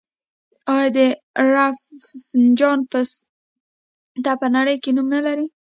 آیا د رفسنجان پسته په نړۍ کې نوم نلري؟